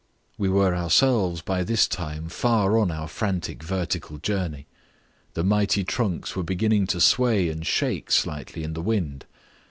We were ourselves by this time far on our frantic vertical journey. The mighty trunks were beginning to sway and shake slightly in the wind.